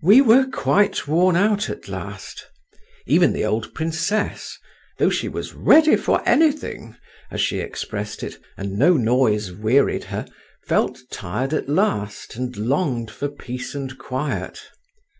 We were quite worn out at last. Even the old princess, though she was ready for anything, as she expressed it, and no noise wearied her, felt tired at last, and longed for peace and quiet.